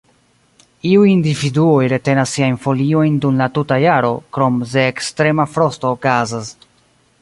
Iuj individuoj retenas siajn foliojn dum la tuta jaro, krom se ekstrema frosto okazas.